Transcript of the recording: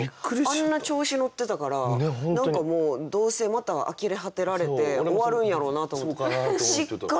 あんな調子乗ってたから何かもうどうせまたあきれ果てられて終わるんやろうなと思ったらしっかり。